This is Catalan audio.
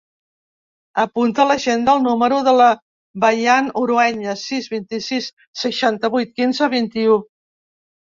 Apunta a l'agenda el número de la Bayan Urueña: sis, vint-i-sis, seixanta-vuit, quinze, vint-i-u.